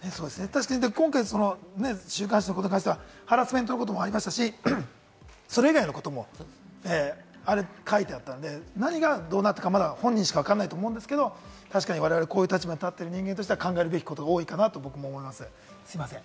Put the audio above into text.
今回、週刊誌のことに関してはハラスメントのこともありましたし、それ以外のことも書いてあったので、何がどうなっているのか本人しかわからないと思いますけれど、こういう立場に立ってる人間としては、考えるべきことが多いかなと思います。